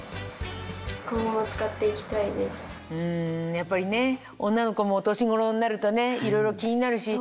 やっぱり女の子もお年頃になるといろいろ気になるし。